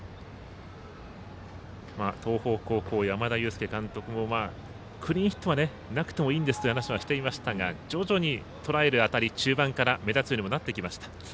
東邦高校、山田祐輔監督もクリーンヒットなくてもいいんですと話はしていましたが徐々にとらえる当たり、中盤から目立つようにもなってきました。